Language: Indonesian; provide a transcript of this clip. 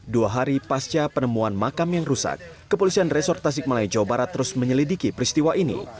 dua hari pasca penemuan makam yang rusak kepolisian resort tasik malaya jawa barat terus menyelidiki peristiwa ini